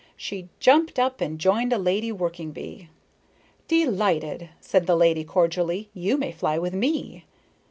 She jumped up and joined a lady working bee. "Delighted," said the lady cordially. "You may fly with me."